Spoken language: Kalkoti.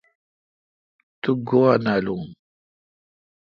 تو گوا نالون۔